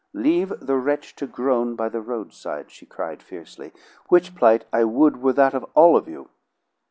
Leave the wretch to groan by the roadside," she cried fiercely, "which plight I would were that of all of you!